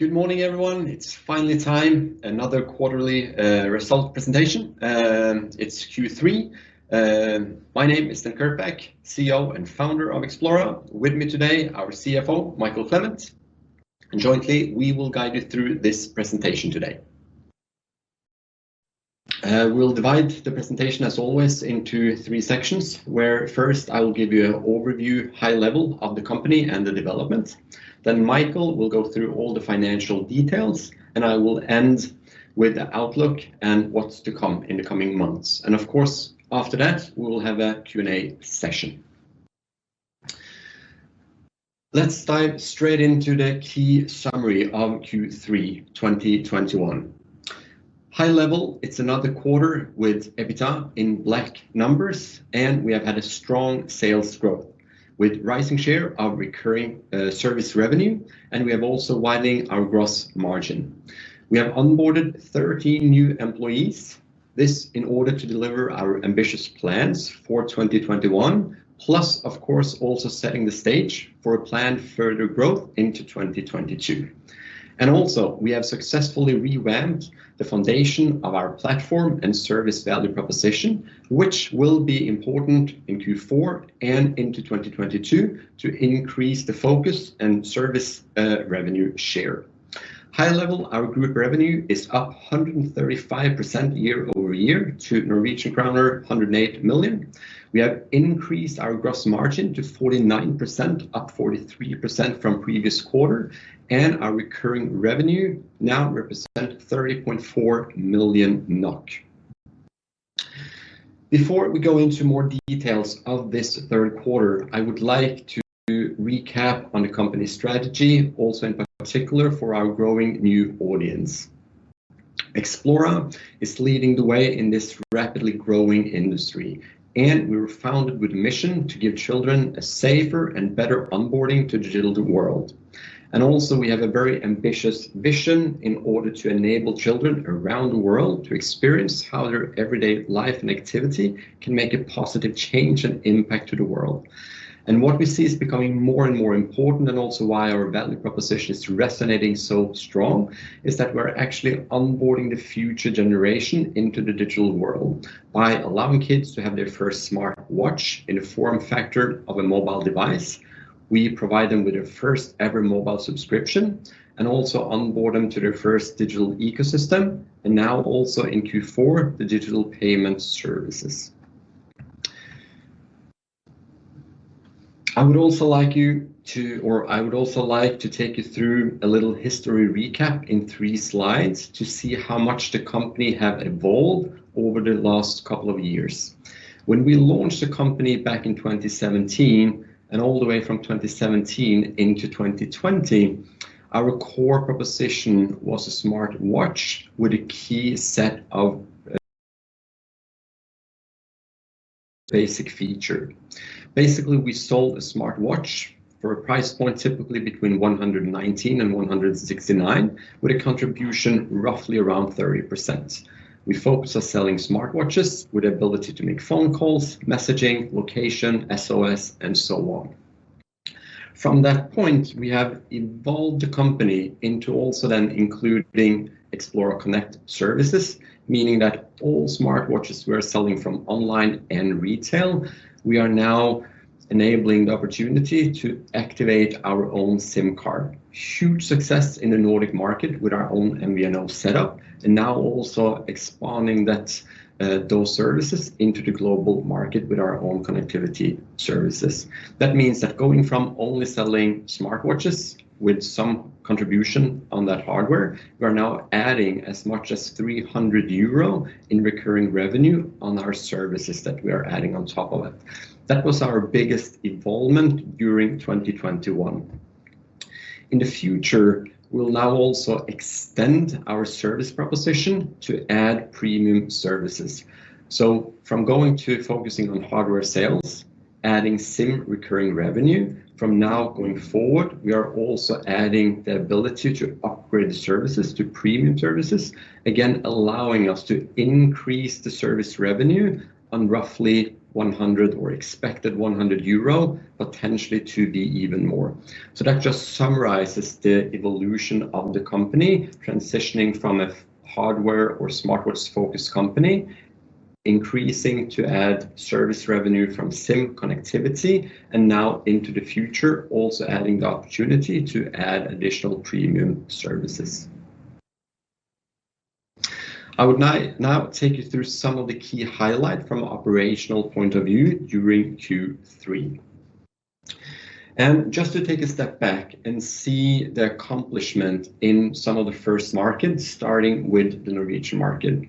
Good morning, everyone. It's finally time, another quarterly result presentation. It's Q3. My name is Sten Kirkbak, CEO and Founder of Xplora. With me today, our CFO, Mikael Clement. Jointly, we will guide you through this presentation today. We'll divide the presentation, as always, into three sections, where first I will give you an overview, high level of the company and the development. Then Mikael will go through all the financial details, and I will end with the outlook and what's to come in the coming months. Of course, after that, we will have a Q&A session. Let's dive straight into the key summary of Q3 2021. High level, it's another quarter with EBITDA in black numbers, and we have had a strong sales growth, with rising share of recurring service revenue, and we have also widening our gross margin. We have onboarded 13 new employees, this in order to deliver our ambitious plans for 2021, plus of course also setting the stage for a planned further growth into 2022. We have successfully revamped the foundation of our platform and service value proposition, which will be important in Q4 and into 2022 to increase the focus and service revenue share. High level, our group revenue is up 135% year-over-year to Norwegian kroner 108 million. We have increased our gross margin to 49%, up 43% from previous quarter, and our recurring revenue now represent 30.4 million NOK. Before we go into more details of this third quarter, I would like to recap on the company strategy, also in particular for our growing new audience. Xplora is leading the way in this rapidly growing industry, and we were founded with a mission to give children a safer and better onboarding to digital world. Also, we have a very ambitious vision in order to enable children around the world to experience how their everyday life and activity can make a positive change and impact to the world. What we see is becoming more and more important, and also why our value proposition is resonating so strong, is that we're actually onboarding the future generation into the digital world by allowing kids to have their first smart watch in a form factor of a mobile device. We provide them with their first ever mobile subscription, and also onboard them to their first digital ecosystem, and now also in Q4, the digital payment services. I would also like you to... I would also like to take you through a little history recap in three slides to see how much the company have evolved over the last couple of years. When we launched the company back in 2017, and all the way from 2017 into 2020, our core proposition was a smart watch with a key set of basic feature. Basically, we sold a smart watch for a price point typically between 119 and 169, with a contribution roughly around 30%. We focused on selling smart watches with the ability to make phone calls, messaging, location, SOS, and so on. From that point, we have evolved the company into also then including Xplora Connect services, meaning that all smart watches we are selling from online and retail, we are now enabling the opportunity to activate our own SIM card. Huge success in the Nordic market with our own MVNO setup, and now also expanding that, those services into the global market with our own connectivity services. That means that going from only selling smart watches with some contribution on that hardware, we are now adding as much as 300 euro in recurring revenue on our services that we are adding on top of it. That was our biggest involvement during 2021. In the future, we'll now also extend our service proposition to add premium services. From going to focusing on hardware sales, adding SIM recurring revenue, from now going forward, we are also adding the ability to upgrade the services to premium services, again allowing us to increase the service revenue on roughly 100 or expected 100 euro, potentially to be even more. That just summarizes the evolution of the company, transitioning from a hardware or smartwatch-focused company, increasing to add service revenue from SIM connectivity, and now into the future, also adding the opportunity to add additional premium services. I would now take you through some of the key highlight from operational point of view during Q3. Just to take a step back and see the accomplishment in some of the first markets, starting with the Norwegian market.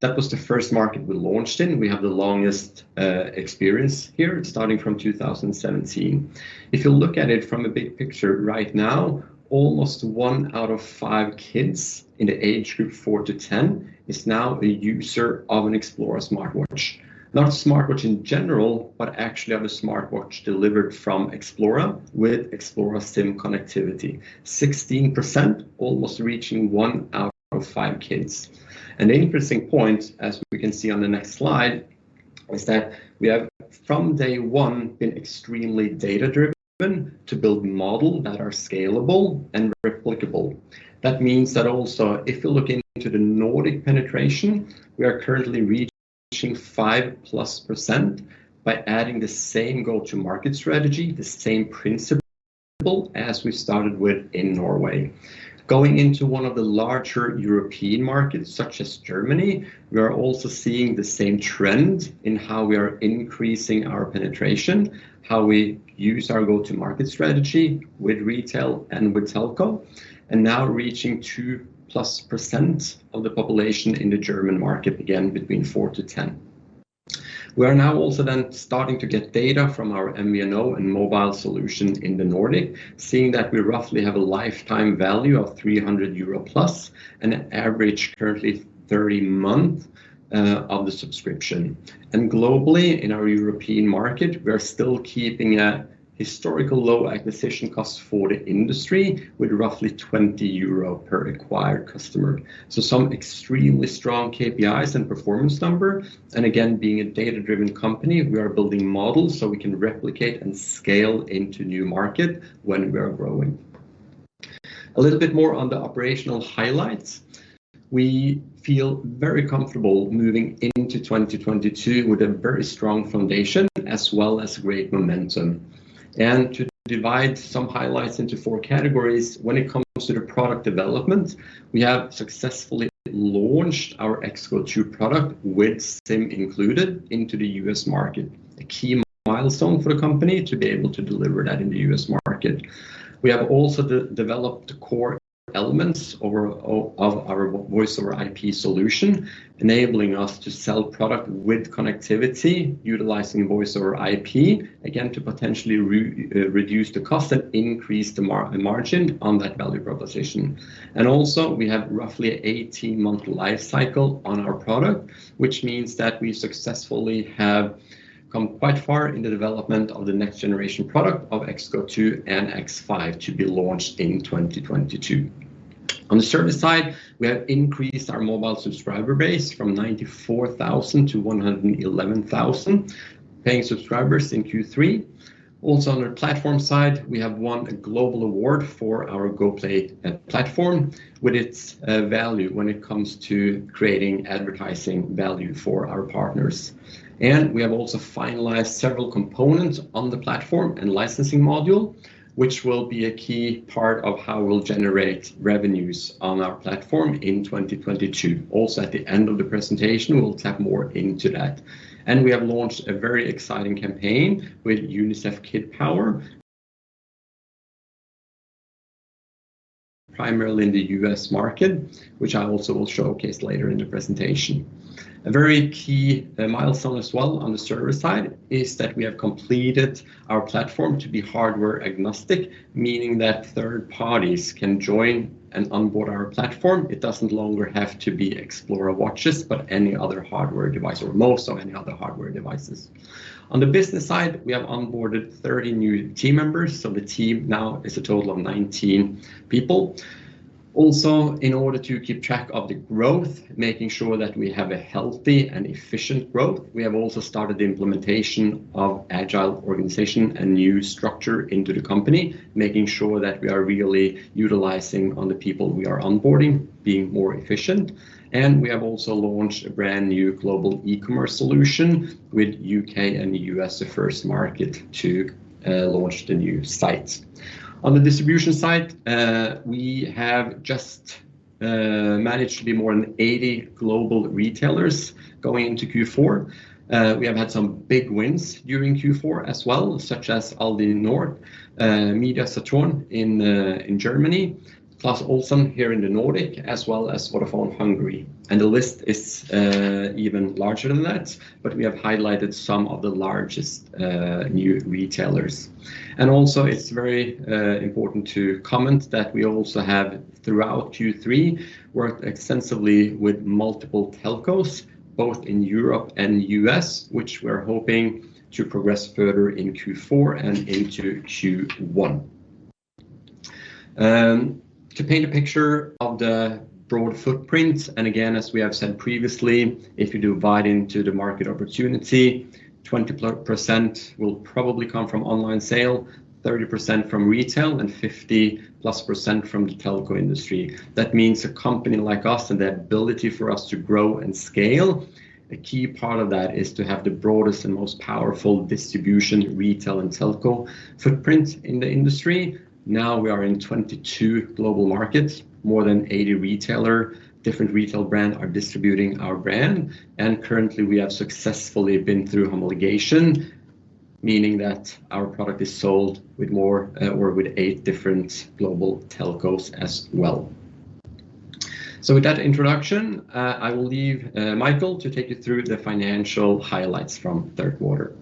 That was the first market we launched in. We have the longest experience here, starting from 2017. If you look at it from a big picture right now, almost one out of five kids in the age group four to ten is now a user of an Xplora smartwatch. Not a smartwatch in general, but actually of a smartwatch delivered from Xplora with Xplora SIM connectivity. 16%, almost reaching one out of five kids. An interesting point, as we can see on the next slide. Is that we have from day one been extremely data-driven to build models that are scalable and replicable. That means that also if you look into the Nordic penetration, we are currently reaching 5%+ by adding the same go-to-market strategy, the same principle as we started with in Norway. Going into one of the larger European markets such as Germany, we are also seeing the same trend in how we are increasing our penetration, how we use our go-to-market strategy with retail and with telco, and now reaching 2%+ of the population in the German market, again, between 4%-10%. We are now also then starting to get data from our MVNO and mobile solution in the Nordic, seeing that we roughly have a lifetime value of 300+ euro and an average currently 30 months of the subscription. Globally in our European market, we are still keeping a historical low acquisition cost for the industry with roughly 20 euro per acquired customer. Some extremely strong KPIs and performance number. Again, being a data-driven company, we are building models so we can replicate and scale into new market when we are growing. A little bit more on the operational highlights. We feel very comfortable moving into 2022 with a very strong foundation as well as great momentum. To divide some highlights into four categories, when it comes to the product development, we have successfully launched our XGO2 product with SIM included into the US market, a key milestone for the company to be able to deliver that in the US market. We have also developed core elements of our Voice over IP solution, enabling us to sell product with connectivity, utilizing Voice over IP, again, to potentially reduce the cost and increase the margin on that value proposition. We have roughly 18-month life cycle on our product, which means that we successfully have come quite far in the development of the next generation product of XGO2 and X5 to be launched in 2022. On the service side, we have increased our mobile subscriber base from 94,000 to 111,000 paying subscribers in Q3. Also on our platform side, we have won a global award for our Goplay ad platform with its value when it comes to creating advertising value for our partners. We have also finalized several components on the platform and licensing module, which will be a key part of how we'll generate revenues on our platform in 2022. Also, at the end of the presentation, we'll tap more into that. We have launched a very exciting campaign with UNICEF Kid Power primarily in the US market, which I also will showcase later in the presentation. A very key milestone as well on the service side is that we have completed our platform to be hardware agnostic, meaning that third parties can join and onboard our platform. It no longer has to be Xplora watches, but any other hardware device or any other hardware devices. On the business side, we have onboarded 30 new team members, so the team now is a total of 19 people. Also, in order to keep track of the growth, making sure that we have a healthy and efficient growth, we have also started the implementation of agile organization and new structure into the company, making sure that we are really utilizing on the people we are onboarding, being more efficient. We have also launched a brand new global e-commerce solution with UK and US the first market to launch the new site. On the distribution side, we have just managed to be more than 80 global retailers going into Q4. We have had some big wins during Q4 as well, such as Aldi Nord, Media-Saturn in Germany, Clas Ohlson here in the Nordic, as well as Vodafone Hungary. The list is even larger than that, but we have highlighted some of the largest new retailers. It's very important to comment that we also have throughout Q3 worked extensively with multiple telcos, both in Europe and US, which we're hoping to progress further in Q4 and into Q1. To paint a picture of the broad footprint, and again, as we have said previously, if you divide into the market opportunity, 20%+ will probably come from online sale, 30% from retail, and 50%+ from the telco industry. That means a company like us and the ability for us to grow and scale, a key part of that is to have the broadest and most powerful distribution, retail, and telco footprint in the industry. Now we are in 22 global markets. More than 80 retailers, different retail brands are distributing our brand. Currently we have successfully been through homologation, meaning that our product is sold with more, or with 8 different global telcos as well. With that introduction, I will leave Mikael to take you through the financial highlights from third quarter.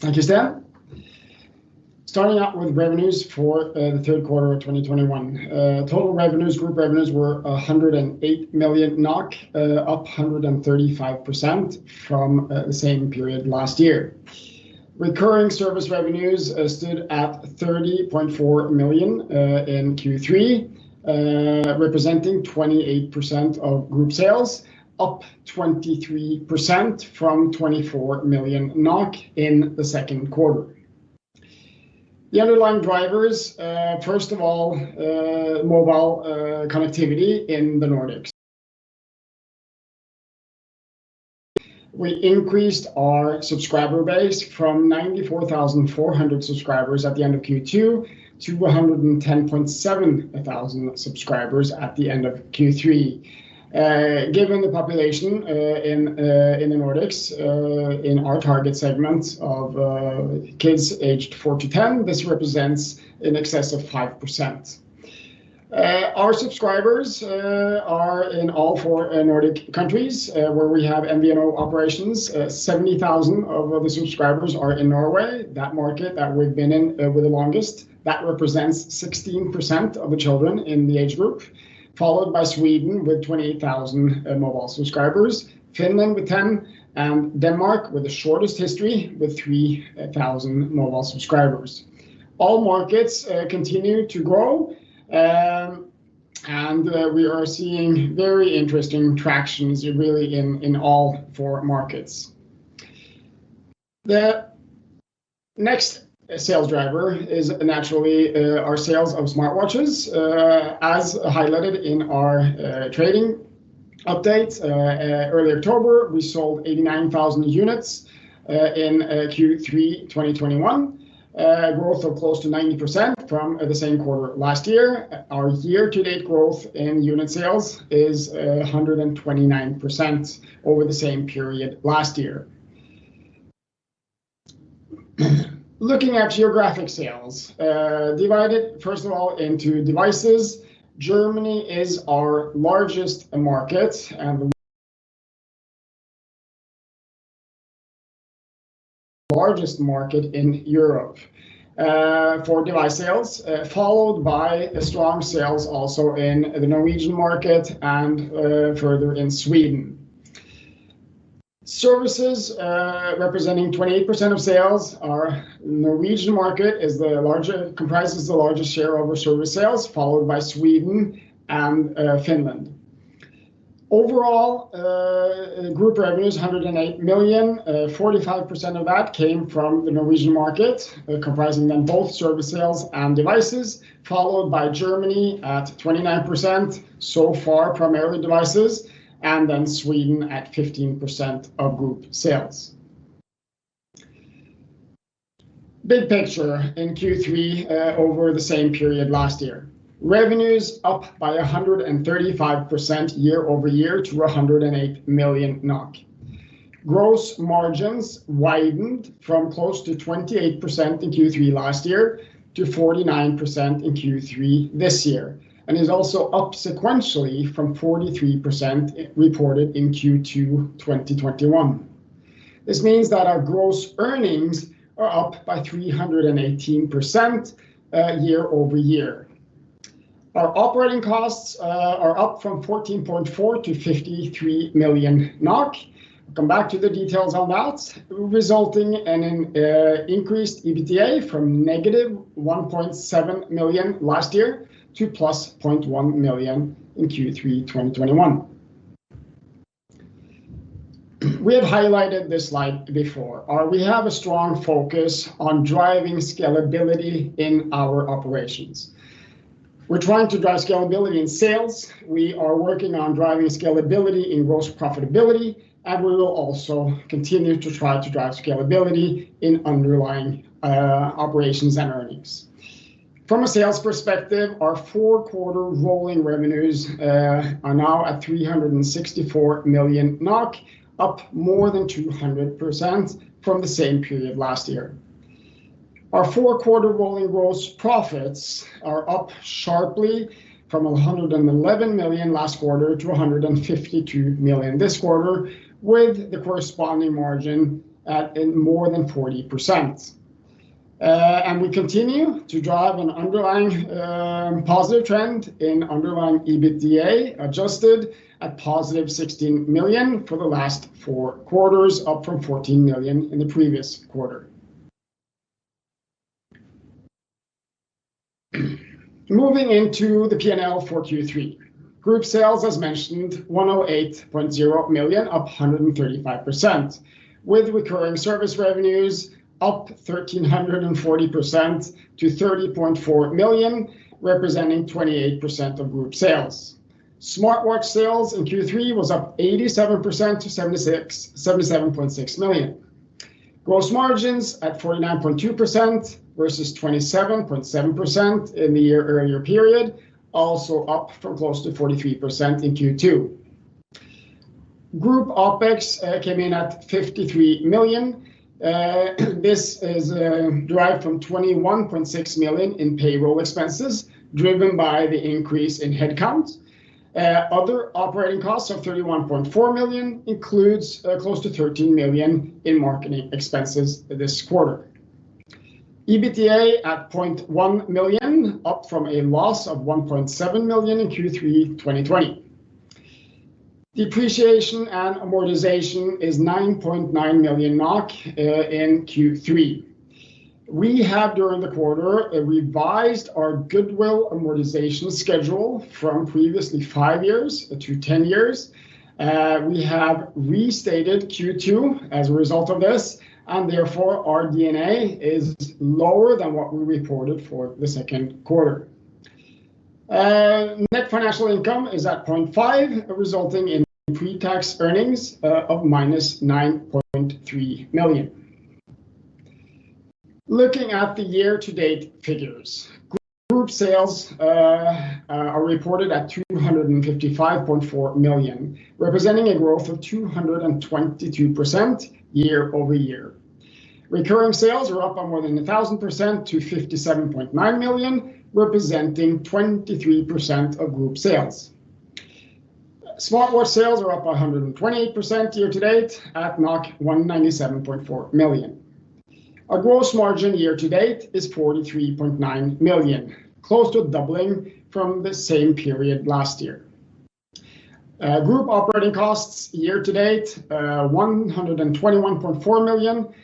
Thank you, Sten. Starting out with revenues for the third quarter of 2021. Total revenues, group revenues were 108 million NOK, up 135% from the same period last year. Recurring service revenues stood at 30.4 million in Q3, representing 28% of group sales, up 23% from 24 million NOK in the second quarter. The underlying drivers, first of all, mobile connectivity in the Nordics. We increased our subscriber base from 94,400 subscribers at the end of Q2 to 110.7 thousand subscribers at the end of Q3. Given the population in the Nordics in our target segments of kids aged four to ten, this represents in excess of 5%. Our subscribers are in all four Nordic countries where we have MVNO operations. 70,000 of the subscribers are in Norway. That market that we've been in the longest represents 16% of the children in the age group, followed by Sweden with 28,000 mobile subscribers, Finland with 10,000, and Denmark with the shortest history with 3,000 mobile subscribers. All markets continue to grow. We are seeing very interesting tractions really in all four markets. The next sales driver is naturally our sales of smartwatches. As highlighted in our trading update early October, we sold 89,000 units in Q3 2021. Growth of close to 90% from the same quarter last year. Our year-to-date growth in unit sales is 129% over the same period last year. Looking at geographic sales, divided first of all into devices, Germany is our largest market and the largest market in Europe, for device sales, followed by strong sales also in the Norwegian market and, further in Sweden. Services, representing 28% of sales, our Norwegian market comprises the largest share of our service sales, followed by Sweden and, Finland. Overall, group revenue is 108 million. 45% of that came from the Norwegian market, comprising then both service sales and devices, followed by Germany at 29%, so far primarily devices, and then Sweden at 15% of group sales. Big picture in Q3, over the same period last year, revenues up by 135% year-over-year to NOK 108 million. Gross margins widened from close to 28% in Q3 last year to 49% in Q3 this year, and is also up sequentially from 43% reported in Q2 2021. This means that our gross earnings are up by 318%, year-over-year. Our operating costs are up from 14.4 to 53 million NOK. I'll come back to the details on that, resulting in an increased EBITDA from -1.7 million NOK last year to +0.1 million NOK in Q3 2021. We have highlighted this slide before. We have a strong focus on driving scalability in our operations. We're trying to drive scalability in sales. We are working on driving scalability in gross profitability, and we will also continue to try to drive scalability in underlying operations and earnings. From a sales perspective, our four-quarter rolling revenues are now at 364 million NOK, up more than 200% from the same period last year. Our four-quarter rolling gross profits are up sharply from 111 million last quarter to 152 million this quarter, with the corresponding margin at more than 40%. We continue to drive an underlying positive trend in underlying EBITDA, adjusted at positive 16 million for the last four quarters, up from 14 million in the previous quarter. Moving into the P&L for Q3. Group sales, as mentioned, 108.0 million, up 135%, with recurring service revenues up 1,340% to 30.4 million, representing 28% of group sales. Smartwatch sales in Q3 was up 87% to 77.6 million. Gross margins at 49.2% versus 27.7% in the year earlier period, also up from close to 43% in Q2. Group OpEx came in at 53 million. This is derived from 21.6 million in payroll expenses, driven by the increase in headcount. Other operating costs of 31.4 million includes close to 13 million in marketing expenses this quarter. EBITDA at 0.1 million, up from a loss of 1.7 million in Q3 2020. Depreciation and amortization is 9.9 million NOK in Q3. We have, during the quarter, revised our goodwill amortization schedule from previously five years to 10 years. We have restated Q2 as a result of this, and therefore our D&A is lower than what we reported for the second quarter. Net financial income is at 0.5, resulting in pre-tax earnings of -9.3 million. Looking at the year-to-date figures. Group sales are reported at 255.4 million, representing a growth of 222% year-over-year. Recurring sales are up by more than 1,000% to 57.9 million, representing 23% of group sales. Smartwatch sales are up 128% year-to-date at 197.4 million. Our gross margin year-to-date is 43.9 million, close to doubling from the same period last year. Group operating costs year-to-date 121.4 million.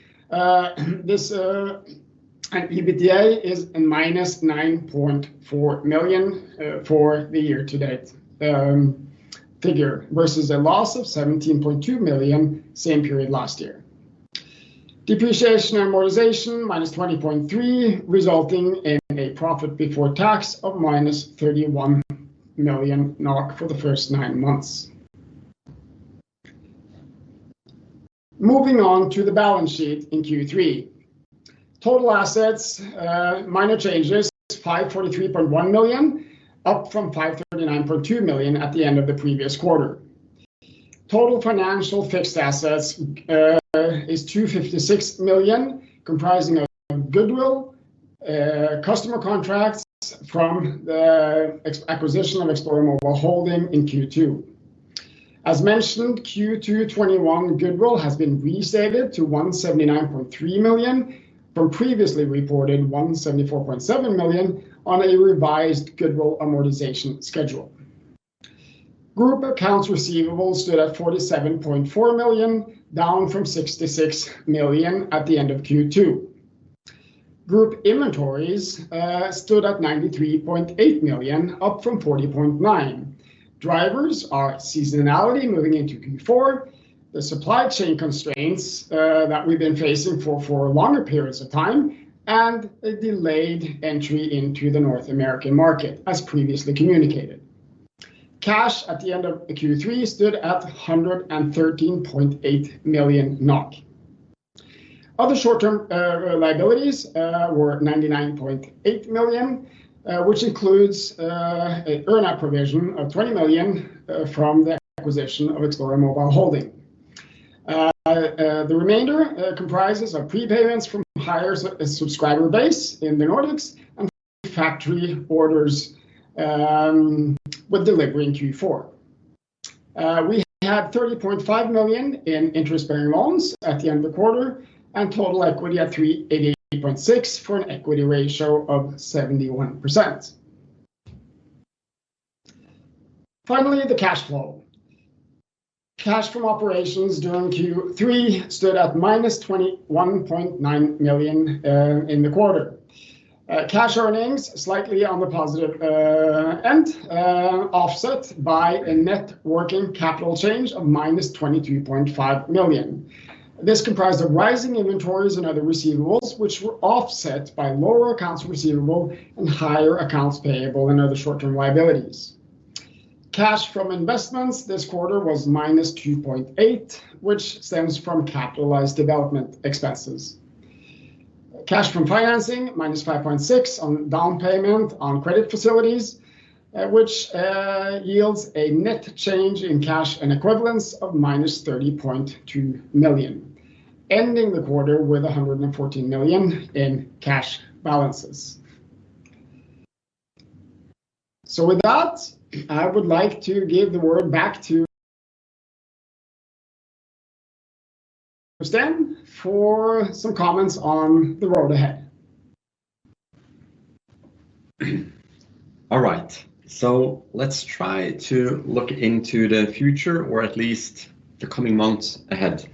EBITDA is -9.4 million for the year to date figure, versus a loss of 17.2 million same period last year. Depreciation and amortization, -20.3 million, resulting in a profit before tax of -31 million NOK for the first nine months. Moving on to the balance sheet in Q3. Total assets, minor changes, is 543.1 million, up from 539.2 million at the end of the previous quarter. Total financial fixed assets is 256 million, comprising of goodwill, customer contracts from the acquisition of Xplora Mobile Holding in Q2. As mentioned, Q2 2021 goodwill has been restated to 179.3 million from previously reported 174.7 million on a revised goodwill amortization schedule. Group accounts receivables stood at 47.4 million, down from 66 million at the end of Q2. Group inventories stood at 93.8 million, up from 40.9 million. Drivers are seasonality moving into Q4, the supply chain constraints that we've been facing for longer periods of time, and a delayed entry into the North American market, as previously communicated. Cash at the end of Q3 stood at 113.8 million NOK. Other short-term liabilities were 99.8 million, which includes an earn-out provision of 20 million from the acquisition of Xplora Mobile Holding. The remainder comprises prepayments from higher subscriber base in the Nordics and factory orders with delivery in Q4. We have 30.5 million in interest-bearing loans at the end of the quarter and total equity at 388.6 million for an equity ratio of 71%. Finally, the cash flow. Cash from operations during Q3 stood at -21.9 million in the quarter. Cash earnings slightly on the positive end, offset by a net working capital change of -22.5 million. This comprised of rising inventories and other receivables, which were offset by lower accounts receivable and higher accounts payable and other short-term liabilities. Cash from investments this quarter was -2.8 million, which stems from capitalized development expenses. Cash from financing, -5.6 million on down payment on credit facilities, which yields a net change in cash and equivalents of -30.2 million, ending the quarter with 114 million in cash balances. With that, I would like to give the word back to Øystein for some comments on the road ahead. All right. Let's try to look into the future or at least the coming months ahead.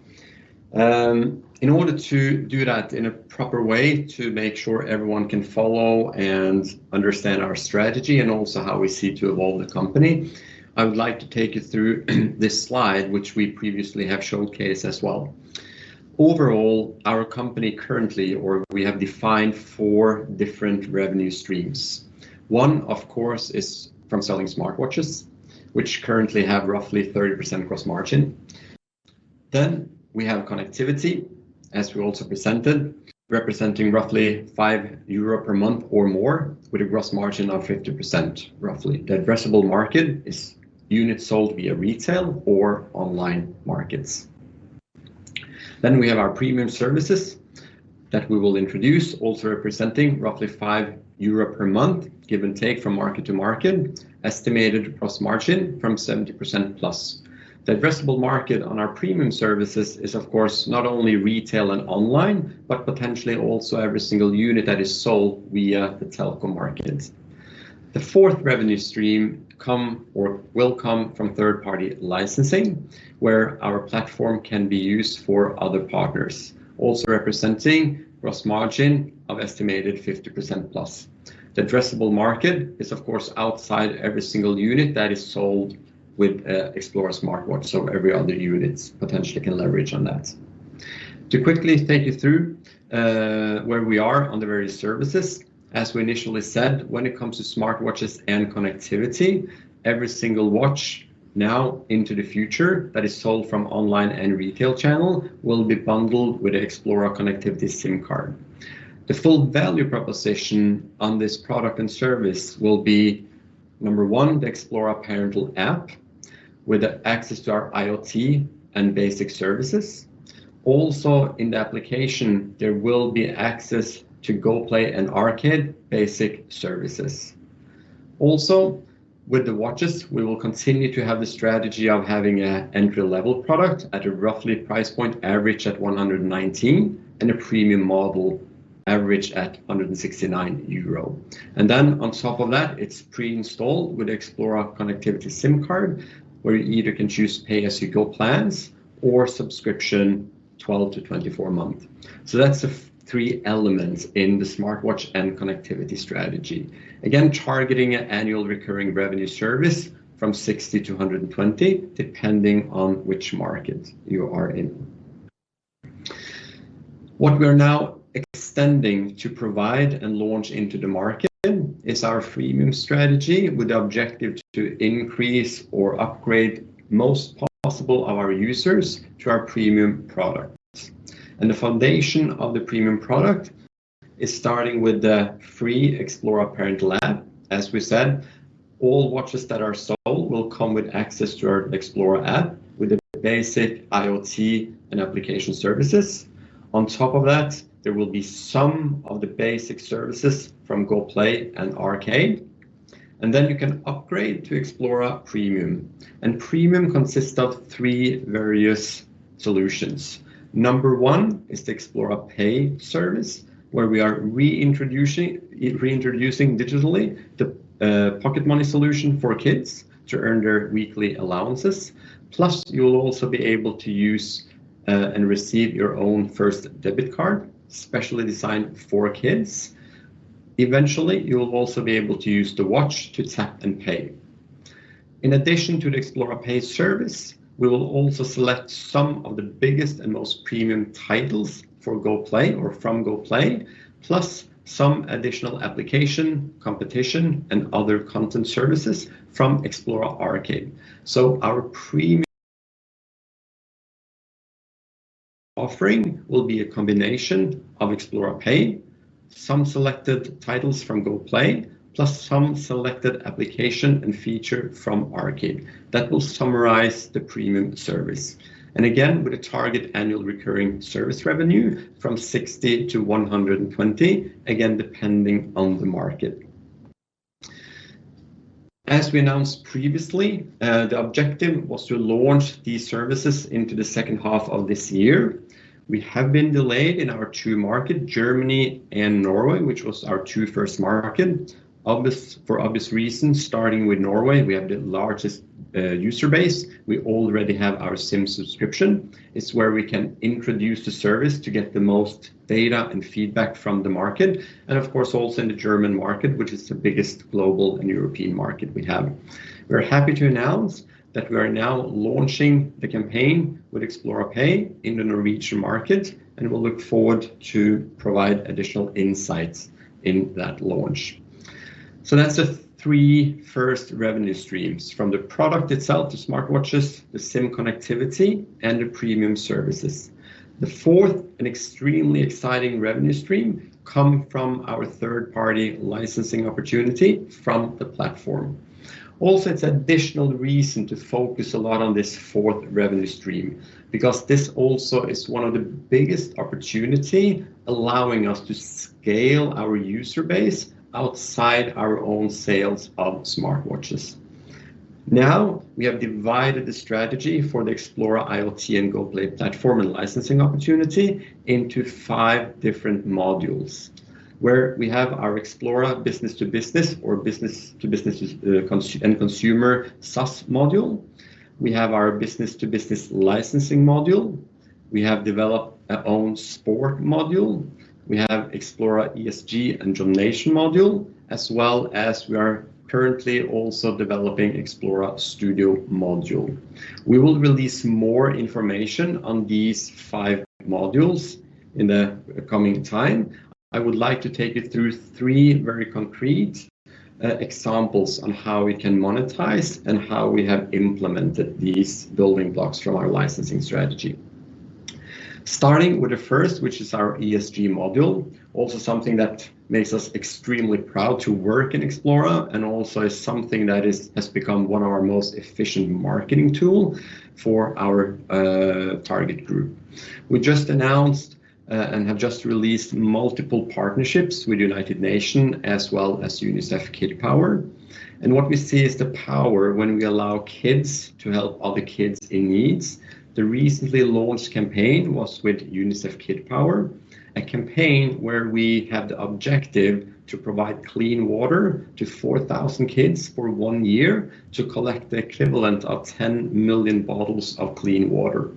In order to do that in a proper way to make sure everyone can follow and understand our strategy and also how we see to evolve the company, I would like to take you through this slide, which we previously have showcased as well. Overall, our company currently, or we have defined four different revenue streams. One, of course, is from selling smartwatches, which currently have roughly 30% gross margin. Then we have connectivity, as we also presented, representing roughly 5 euro per month or more with a gross margin of 50% roughly. The addressable market is units sold via retail or online markets. We have our premium services that we will introduce, also representing roughly 5 euro per month, give and take from market to market, estimated gross margin from 70%+. The addressable market on our premium services is of course, not only retail and online, but potentially also every single unit that is sold via the telecom market. The fourth revenue stream come or will come from third-party licensing, where our platform can be used for other partners. Also representing gross margin of estimated 50%+. The addressable market is of course, outside every single unit that is sold with Xplora smartwatch. So every other units potentially can leverage on that. To quickly take you through where we are on the various services, as we initially said, when it comes to smartwatches and connectivity, every single watch now into the future that is sold from online and retail channel will be bundled with a Xplora Connect SIM card. The full value proposition on this product and service will be number one, the Xplora Guardian App with access to our IoT and basic services. Also in the application, there will be access to Goplay and Arcade basic services. Also, with the watches, we will continue to have the strategy of having an entry-level product at a roughly price point average at 119 and a premium model average at 169 euro. On top of that, it's pre-installed with Xplora Connect SIM card, where you either can choose pay-as-you-go plans or 12- to 24-month subscription. That's the three elements in the smartwatch and connectivity strategy. Again, targeting annual recurring revenue service from 60-120, depending on which market you are in. What we are now extending to provide and launch into the market is our freemium strategy with the objective to increase or upgrade most possible of our users to our premium products. The foundation of the premium product is starting with the free Xplora Guardian App. As we said, all watches that are sold will come with access to our Xplora app with the basic IoT and application services. On top of that, there will be some of the basic services from Goplay and Arcade. Then you can upgrade to Xplora Premium. Premium consists of three various solutions. Number one is the Xplora Pay service, where we are reintroducing digitally the pocket money solution for kids to earn their weekly allowances. Plus, you will also be able to use and receive your own first debit card, specially designed for kids. Eventually, you will also be able to use the watch to tap and pay. In addition to the Xplora Pay service, we will also select some of the biggest and most premium titles for Go Play or from Go Play, plus some additional application, competition, and other content services from Xplora Arcade. Our premium offering will be a combination of Xplora Pay, some selected titles from Go Play, plus some selected application and feature from Arcade. That will summarize the premium service. Again, with a target annual recurring service revenue from 60-120, again, depending on the market. As we announced previously, the objective was to launch these services in the second half of this year. We have been delayed in our two markets, Germany and Norway, which were our two first markets. For obvious reasons, starting with Norway, we have the largest user base. We already have our SIM subscription. It's where we can introduce the service to get the most data and feedback from the market. Of course, also in the German market, which is the biggest global and European market we have. We're happy to announce that we are now launching the campaign with Xplora Pay in the Norwegian market, and we look forward to provide additional insights in that launch. That's the three first revenue streams from the product itself, the smartwatches, the SIM connectivity, and the premium services. The fourth, an extremely exciting revenue stream, come from our third-party licensing opportunity from the platform. Also, it's additional reason to focus a lot on this fourth revenue stream because this also is one of the biggest opportunity allowing us to scale our user base outside our own sales of smartwatches. Now, we have divided the strategy for the Xplora IoT and Goplay platform and licensing opportunity into five different modules, where we have our Xplora business-to-business or business-to-consumer SaaS module. We have our business-to-business licensing module. We have developed our own sport module. We have Xplora ESG and United Nations module, as well as we are currently also developing Xplora Studio module. We will release more information on these five modules in the coming time. I would like to take you through three very concrete examples on how we can monetize and how we have implemented these building blocks from our licensing strategy. Starting with the first, which is our ESG module, also something that makes us extremely proud to work in Xplora and also is something that has become one of our most efficient marketing tool for our target group. We just announced and have just released multiple partnerships with United Nations as well as UNICEF Kid Power. What we see is the power when we allow kids to help other kids in needs. The recently launched campaign was with UNICEF Kid Power, a campaign where we have the objective to provide clean water to 4,000 kids for one year to collect the equivalent of 10 million bottles of clean water.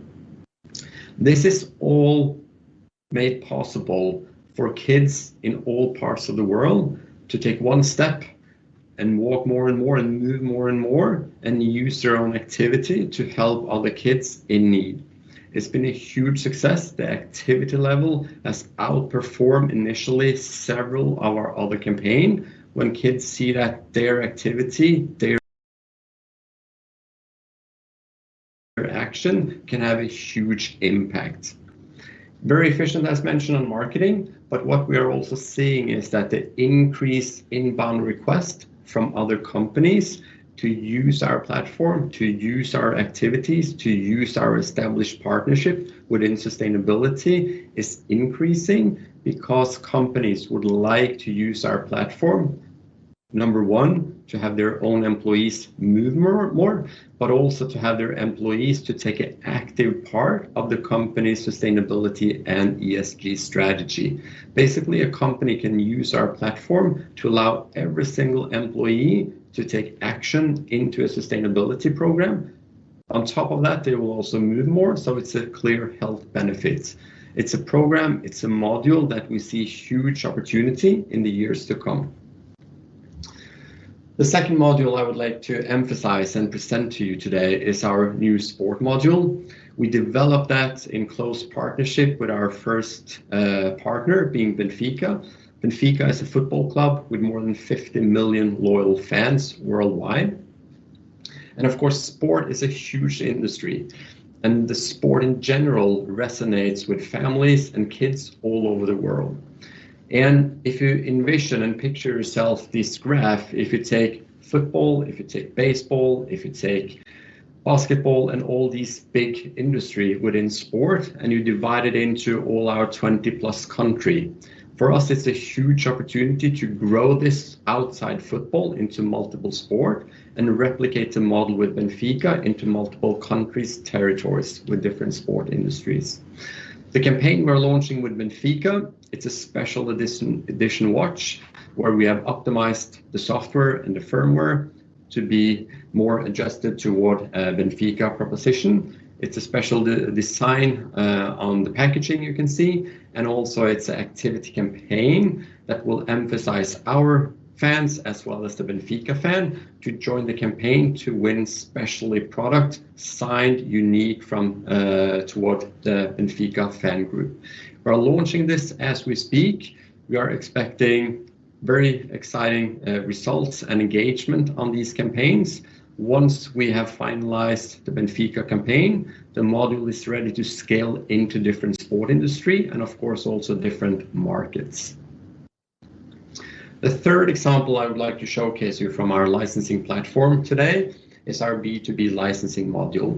This is all made possible for kids in all parts of the world to take one step and walk more and more and move more and more, and use their own activity to help other kids in need. It's been a huge success. The activity level has outperformed initially several of our other campaign. When kids see that their activity, their action can have a huge impact. Very efficient, as mentioned, on marketing, but what we are also seeing is that the increased inbound request from other companies to use our platform, to use our activities, to use our established partnership within sustainability is increasing because companies would like to use our platform, number one, to have their own employees move more, but also to have their employees to take an active part of the company's sustainability and ESG strategy. Basically, a company can use our platform to allow every single employee to take action into a sustainability program. On top of that, they will also move more, so it's a clear health benefit. It's a program, it's a module that we see huge opportunity in the years to come. The second module I would like to emphasize and present to you today is our new sport module. We developed that in close partnership with our first partner being Benfica. Benfica is a football club with more than 50 million loyal fans worldwide. Of course, sport is a huge industry, and the sport in general resonates with families and kids all over the world. If you envision and picture yourself this graph, if you take football, if you take baseball, if you take basketball and all these big industry within sport, and you divide it into all our 20+ country, for us, it's a huge opportunity to grow this outside football into multiple sport and replicate the model with Benfica into multiple countries, territories with different sport industries. The campaign we're launching with Benfica, it's a special edition watch where we have optimized the software and the firmware to be more adjusted toward a Benfica proposition. It's a special redesign on the packaging you can see, and also it's an activity campaign that will emphasize our fans as well as the Benfica fans to join the campaign to win special products signed uniquely for the Benfica fan group. We're launching this as we speak. We are expecting very exciting results and engagement on these campaigns. Once we have finalized the Benfica campaign, the module is ready to scale into different sports industry and of course, also different markets. The third example I would like to showcase to you from our licensing platform today is our B2B licensing module.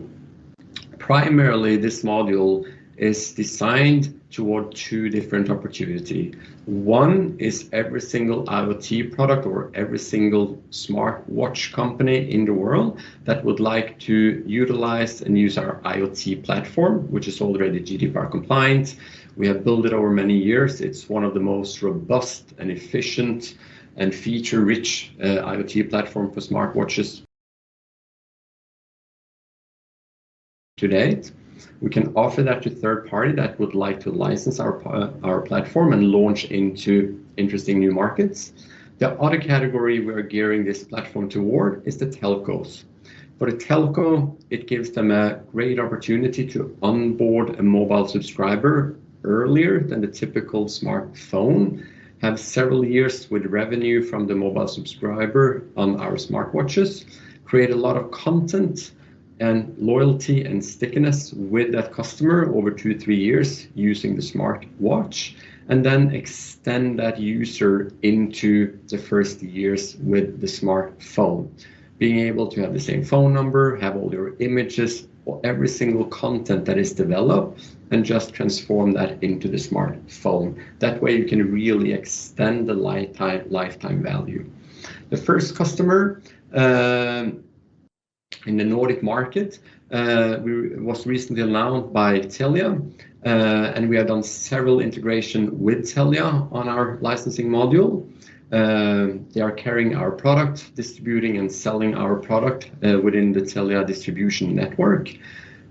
Primarily, this module is designed toward two different opportunities. One is every single IoT product or every single smartwatch company in the world that would like to utilize and use our IoT platform, which is already GDPR compliant. We have built it over many years. It's one of the most robust and efficient and feature-rich IoT platform for smartwatches to date. We can offer that to third party that would like to license our platform and launch into interesting new markets. The other category we're gearing this platform toward is the telcos. For a telco, it gives them a great opportunity to onboard a mobile subscriber earlier than the typical smartphone, have several years with revenue from the mobile subscriber on our smartwatches, create a lot of content and loyalty and stickiness with that customer over two, three years using the smartwatch, and then extend that user into the first years with the smartphone. Being able to have the same phone number, have all your images or every single content that is developed, and just transform that into the smartphone. That way you can really extend the lifetime value. The first customer in the Nordic market was recently announced by Telia, and we have done several integration with Telia on our licensing module. They are carrying our product, distributing and selling our product within the Telia distribution network.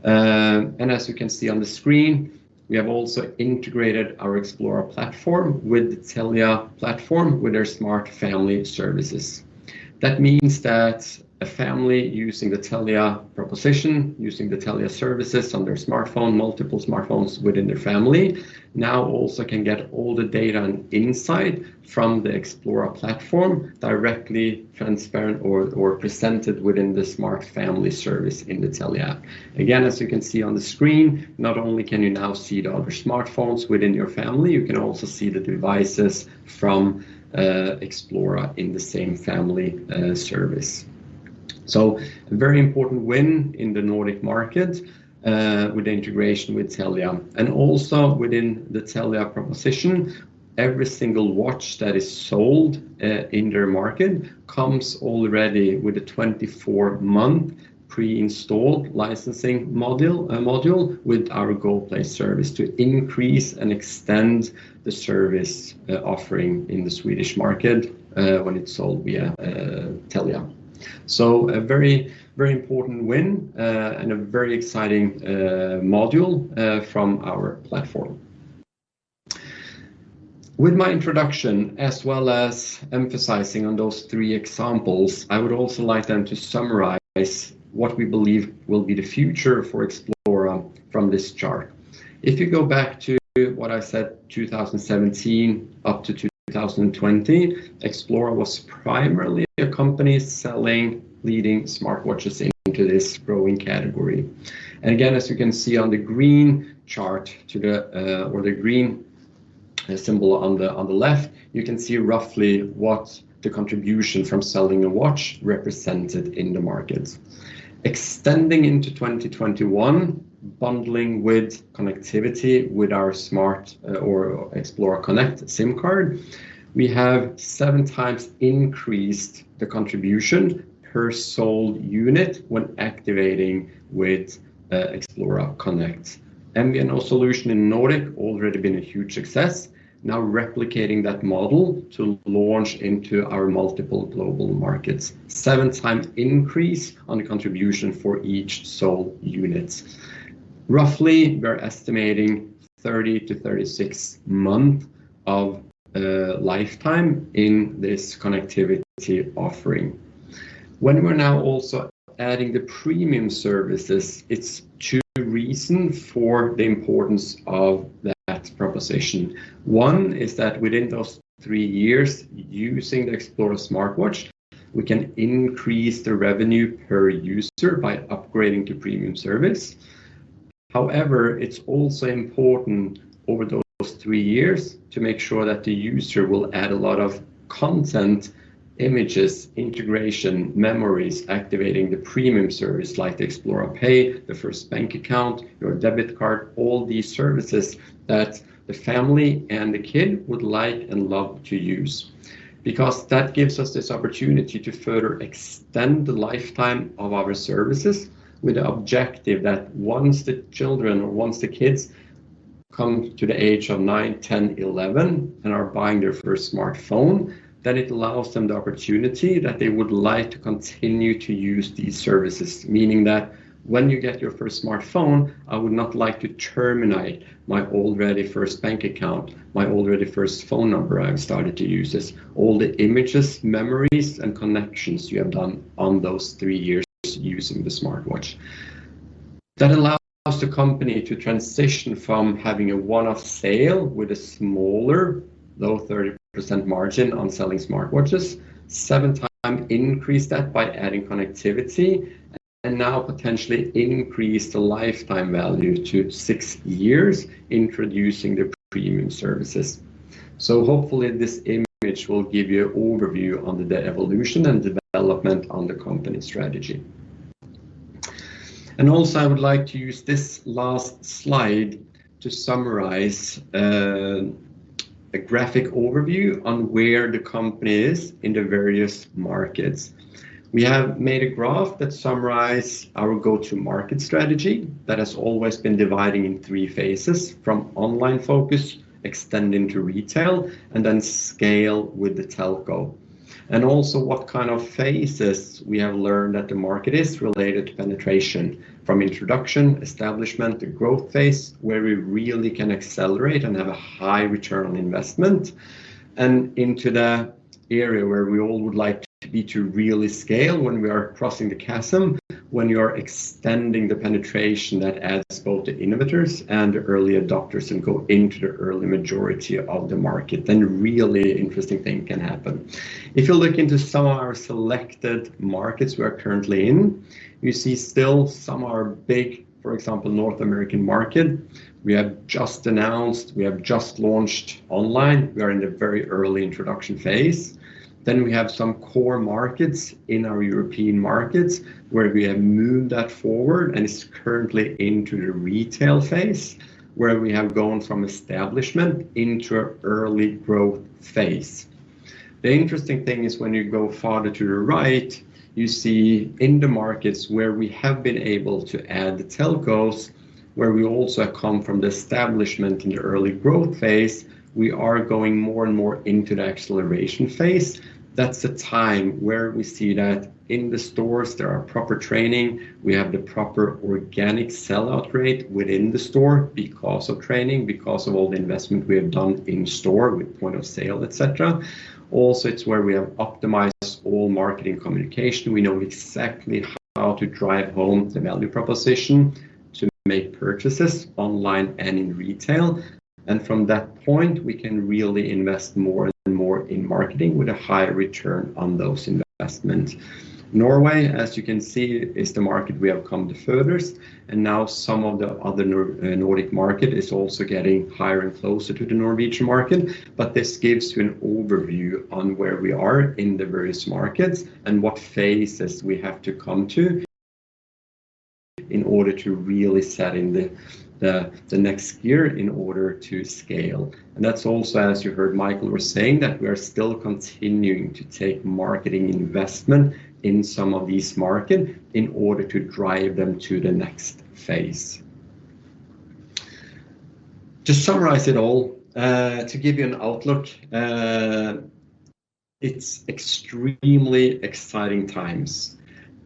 As you can see on the screen, we have also integrated our Xplora platform with the Telia platform with their smart family services. That means that a family using the Telia proposition, using the Telia services on their smartphone, multiple smartphones within their family, now also can get all the data and insight from the Xplora platform directly transparent or presented within the smart family service in the Telia app. Again, as you can see on the screen, not only can you now see the other smartphones within your family, you can also see the devices from Xplora in the same family service. A very important win in the Nordic market with the integration with Telia. Also within the Telia proposition, every single watch that is sold in their market comes already with a 24-month pre-installed licensing module with our Goplay service to increase and extend the service offering in the Swedish market when it's sold via Telia. A very, very important win and a very exciting module from our platform. With my introduction, as well as emphasizing on those three examples, I would also like then to summarize what we believe will be the future for Xplora from this chart. If you go back to what I said 2017 up to 2020, Xplora was primarily a company selling leading smartwatches into this growing category. Again, as you can see on the green chart to the or the green symbol on the left, you can see roughly what the contribution from selling a watch represented in the market. Extending into 2021, bundling with connectivity with our smart or Xplora Connect SIM card, we have 7 times increased the contribution per sold unit when activating with Xplora Connect. MVNO solution in Nordic already been a huge success. Now replicating that model to launch into our multiple global markets. 7 times increase on the contribution for each sold unit. Roughly, we're estimating 30-36 months of lifetime in this connectivity offering. When we're now also adding the premium services, it's two reasons for the importance of that proposition. One is that within those three years using the Xplora smartwatch, we can increase the revenue per user by upgrading to premium service. However, it's also important over those three years to make sure that the user will add a lot of content, images, integration, memories, activating the premium service like the Xplora Pay, the first bank account, your debit card, all these services that the family and the kid would like and love to use. Because that gives us this opportunity to further extend the lifetime of our services with the objective that once the children or once the kids come to the age of nine, ten, eleven, and are buying their first smartphone, then it allows them the opportunity that they would like to continue to use these services. Meaning that when you get your first smartphone, I would not like to terminate my already first bank account, my already first phone number I've started to use this. All the images, memories, and connections you have done on those three years using the smartwatch. That allows the company to transition from having a one-off sale with a smaller, low 30% margin on selling smartwatches. Seven times increase that by adding connectivity. Now potentially increase the lifetime value to six years introducing the premium services. Hopefully this image will give you overview on the evolution and development on the company strategy. Also, I would like to use this last slide to summarize, a graphic overview on where the company is in the various markets. We have made a graph that summarizes our go-to-market strategy that has always been divided in three phases, from online focus, extending to retail, and then scale with the telco. Also what kind of phases we have learned that the market is related to penetration from introduction, establishment, the growth phase, where we really can accelerate and have a high return on investment, and into the area where we all would like to be to really scale when we are crossing the chasm, when you are extending the penetration that adds both the innovators and early adopters and go into the early majority of the market, then really interesting thing can happen. If you look into some of our selected markets we are currently in, you see still some are big. For example, North American market, we have just announced, we have just launched online. We are in a very early introduction phase. We have some core markets in our European markets where we have moved that forward, and it's currently into the retail phase, where we have gone from establishment into early growth phase. The interesting thing is when you go farther to the right, you see in the markets where we have been able to add the telcos, where we also come from the establishment in the early growth phase, we are going more and more into the acceleration phase. That's the time where we see that in the stores, there are proper training. We have the proper organic sellout rate within the store because of training, because of all the investment we have done in store with point of sale, etc. Also, it's where we have optimized all marketing communication. We know exactly how to drive home the value proposition to make purchases online and in retail. From that point, we can really invest more and more in marketing with a high return on those investments. Norway, as you can see, is the market we have come the furthest. Now some of the other Nordic market is also getting higher and closer to the Norwegian market. This gives you an overview on where we are in the various markets and what phases we have to come to. In order to really set in the next gear in order to scale. That's also, as you heard Mikael was saying, that we are still continuing to take marketing investment in some of these market in order to drive them to the next phase. To summarize it all, to give you an outlook, it's extremely exciting times.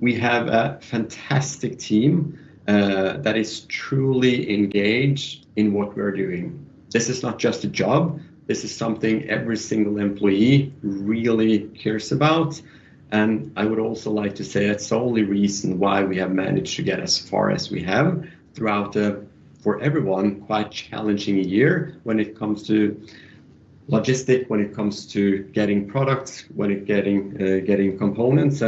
We have a fantastic team that is truly engaged in what we're doing. This is not just a job. This is something every single employee really cares about. I would also like to say it's the only reason why we have managed to get as far as we have throughout a, for everyone, quite challenging year when it comes to logistics, when it comes to getting products, getting components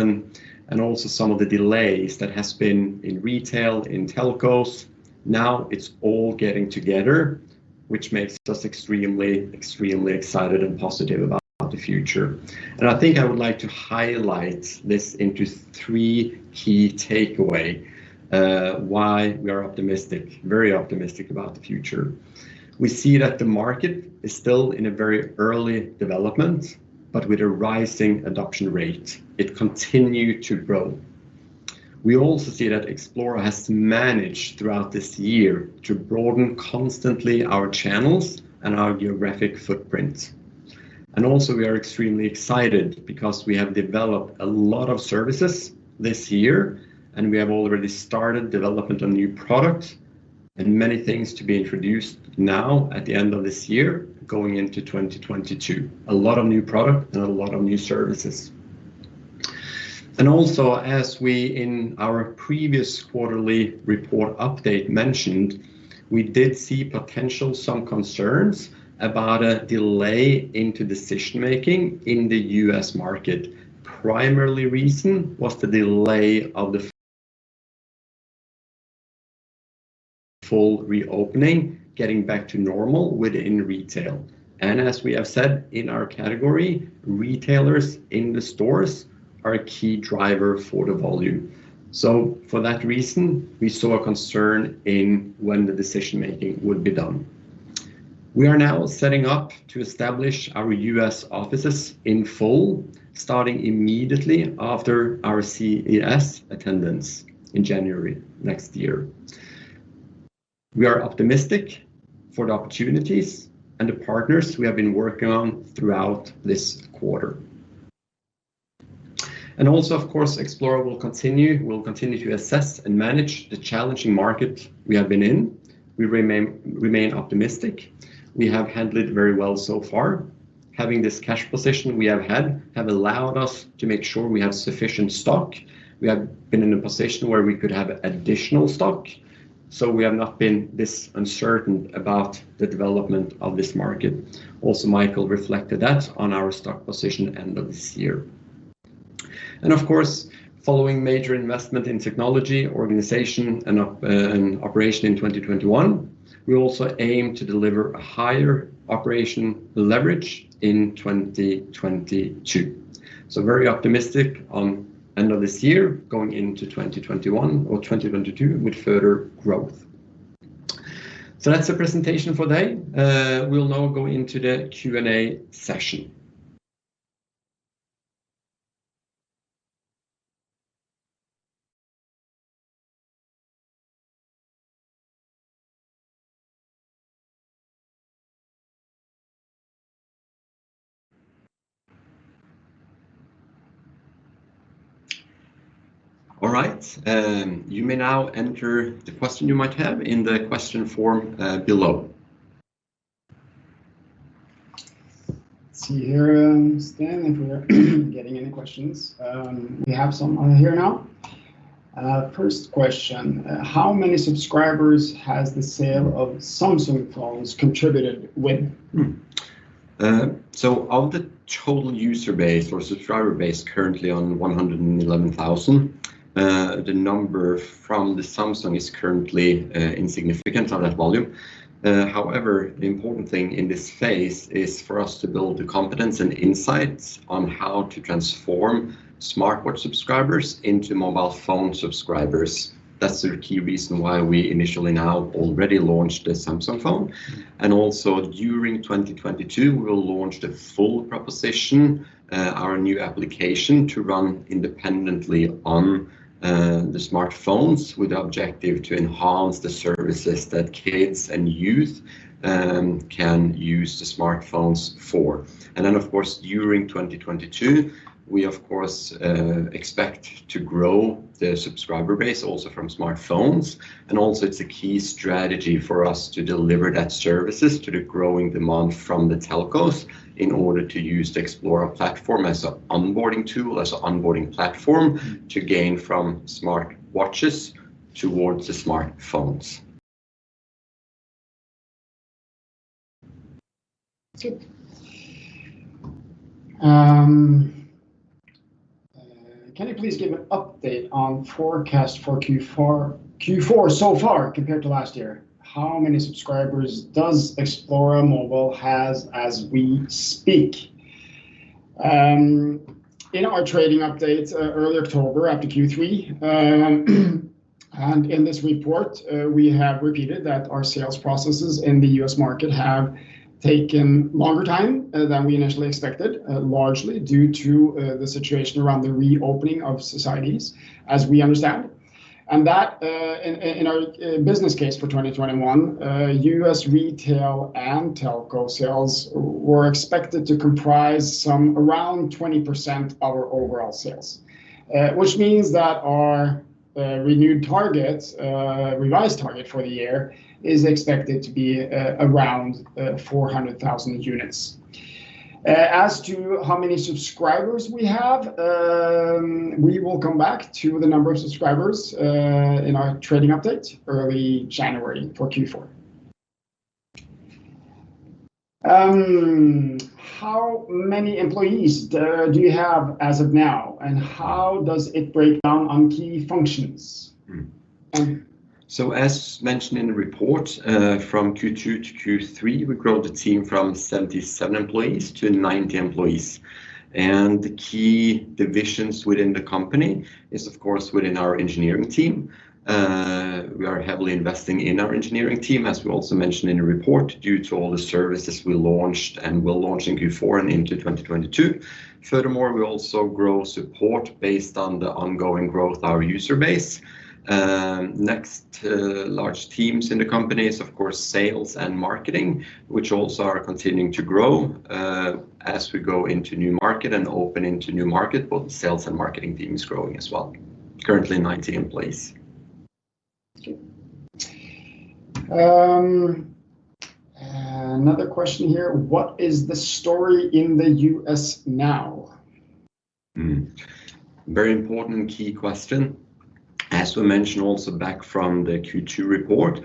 and also some of the delays that has been in retail, in telcos. Now it's all getting together, which makes us extremely excited and positive about the future. I think I would like to highlight this into three key takeaways, why we are optimistic, very optimistic about the future. We see that the market is still in a very early development, but with a rising adoption rate. It continues to grow. We also see that Xplora has managed throughout this year to broaden constantly our channels and our geographic footprint. We are extremely excited because we have developed a lot of services this year, and we have already started development on new product, and many things to be introduced now at the end of this year going into 2022. A lot of new product and a lot of new services. As we in our previous quarterly report update mentioned, we did see some potential concerns about a delay in decision-making in the US market. The primary reason was the delay of the full reopening, getting back to normal within retail. As we have said in our category, retailers in the stores are a key driver for the volume. For that reason, we saw a concern in when the decision-making would be done. We are now setting up to establish our US offices in full, starting immediately after our CES attendance in January next year. We are optimistic for the opportunities and the partners we have been working on throughout this quarter. Also, of course, Xplora will continue to assess and manage the challenging market we have been in. We remain optimistic. We have handled it very well so far. Having this cash position we have had has allowed us to make sure we have sufficient stock. We have been in a position where we could have additional stock, so we have not been this uncertain about the development of this market. Mikael reflected that on our stock position end of this year. Of course, following major investment in technology, organization, and operation in 2021, we also aim to deliver a higher operation leverage in 2022. Very optimistic on end of this year going into 2021 or 2022 with further growth. That's the presentation for today. We'll now go into the Q&A session. All right, you may now enter the question you might have in the question form below. Let's see here, standing here, getting any questions. We have some on here now. First question, how many subscribers has the sale of Samsung phones contributed with? Of the total user base or subscriber base currently at 111,000, the number from Samsung is currently insignificant in that volume. However, the important thing in this phase is for us to build the confidence and insights on how to transform smartwatch subscribers into mobile phone subscribers. That's the key reason why we initially now already launched the Samsung phone. During 2022, we will launch the full proposition, our new application to run independently on the smartphones with the objective to enhance the services that kids and youth can use the smartphones for. During 2022, we of course expect to grow the subscriber base also from smartphones. Also, it's a key strategy for us to deliver that services to the growing demand from the telcos in order to use the Xplora platform as a onboarding tool, as a onboarding platform to gain from smartwatches towards the smartphones. Can you please give an update on forecast for Q4 so far compared to last year? How many subscribers does Xplora Mobile has as we speak? In our trading update early October after Q3, and in this report, we have repeated that our sales processes in the US market have taken longer time than we initially expected, largely due to the situation around the reopening of societies, as we understand. That in our business case for 2021, US retail and telco sales were expected to comprise some around 20% our overall sales. Which means that our renewed target, revised target for the year is expected to be around 400,000 units. As to how many subscribers we have, we will come back to the number of subscribers in our trading update early January for Q4. How many employees do you have as of now, and how does it break down on key functions? As mentioned in the report, from Q2 to Q3, we grow the team from 77 employees to 90 employees. The key divisions within the company is of course within our engineering team. We are heavily investing in our engineering team, as we also mentioned in the report, due to all the services we launched and will launch in Q4 and into 2022. Furthermore, we also grow support based on the ongoing growth our user base. Next, large teams in the company is of course sales and marketing, which also are continuing to grow, as we go into new market and open into new market, both sales and marketing team is growing as well. Currently 90 employees. Good. Another question here, what is the story in the US now? Very important key question. As we mentioned also back from the Q2 report,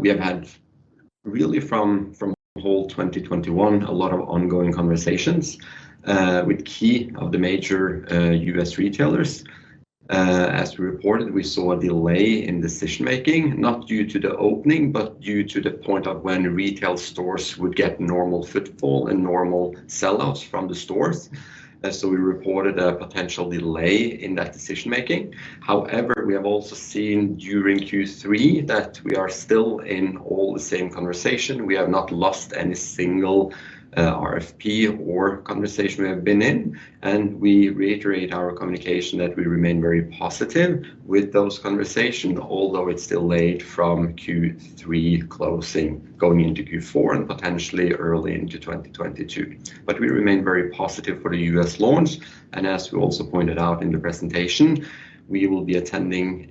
we have had really from whole 2021, a lot of ongoing conversations with key of the major US retailers. As we reported, we saw a delay in decision-making, not due to the opening, but due to the point of when retail stores would get normal footfall and normal sell-outs from the stores. We reported a potential delay in that decision-making. However, we have also seen during Q3 that we are still in all the same conversation. We have not lost any single RFP or conversation we have been in, and we reiterate our communication that we remain very positive with those conversation, although it's delayed from Q3 closing, going into Q4 and potentially early into 2022. We remain very positive for the US launch. As we also pointed out in the presentation, we will be attending